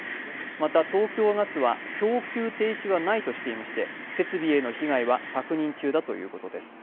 また東京ガスは供給停止はないとしていまして設備への被害は確認中だということです。